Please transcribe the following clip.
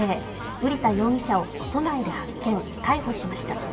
瓜田容疑者を都内で発見逮捕しました。